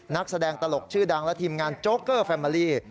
นักแสดงตลกชื่อดังและทีมงานโจ๊กเกอร์แฟเมอรี่